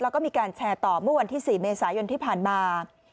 แล้วก็มีการแชร์ต่อเมื่อวันที่๔เมษายนที่ผ่านมา